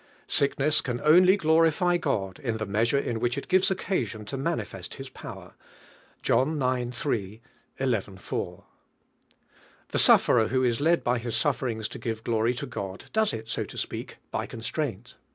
Sickness eaa only giorifj God in the measure in which it gives occasion to manifest His power (John ix. 3; xi. 4). The sufferer who is led by his sufferings !<> give glory to God, does it, so to speak, by constraint.